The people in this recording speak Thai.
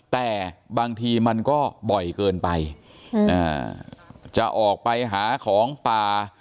แต่บางทีมันก็บ่อยเกินไปจะออกไปหาของป่า